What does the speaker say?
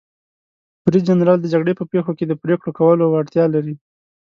برید جنرال د جګړې په پیښو کې د پریکړو کولو وړتیا لري.